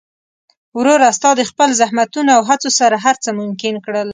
وروره! ستا د خپل زحمتونو او هڅو سره هر څه ممکن کړل.